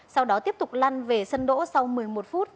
sau đó tiếp tục lăn về sân đỗ sau một mươi một phút